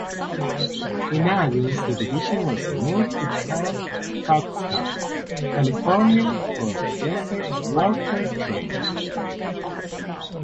In August, the division was moved to Camp Coxcomb, California for desert warfare training.